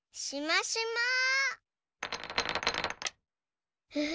しましま！